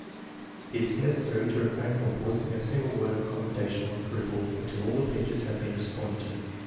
It is necessary to refrain from voic ing a single word of commendation or approval until all the pictures have been responded to.